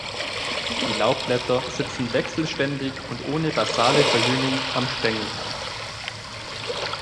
Die Laubblätter sitzen wechselständig und ohne basale Verjüngung am Stängel.